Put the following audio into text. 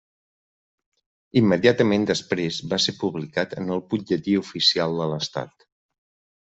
Immediatament després va ser publicat en el Butlletí Oficial de l'Estat.